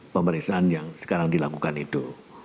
pemeriksaan yang sekarang dilakukan itu